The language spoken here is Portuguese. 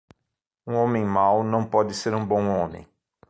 Um homem mau não pode ser um bom homem.